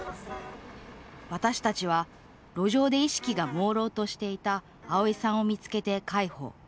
私たちは路上で意識がもうろうとしていたあおいさんを見つけて、介抱。